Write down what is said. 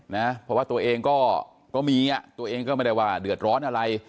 นะเพราะว่าตัวเองก็มีอ่ะตัวเองก็ไม่ได้ว่าเดือดร้อนอะไร